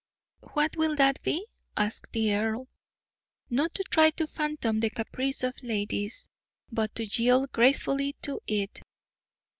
"What will that be?" asked the earl. "Not to try to fathom the caprice of ladies, but to yield gracefully to it."